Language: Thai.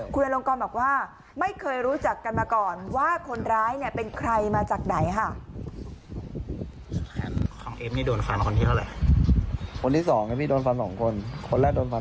คุณอลงกรบอกว่าไม่เคยรู้จักกันมาก่อนว่าคนร้ายเนี่ยเป็นใครมาจากไหนค่ะ